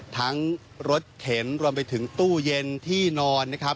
ทั้งรถเข็นรวมไปถึงตู้เย็นที่นอนนะครับ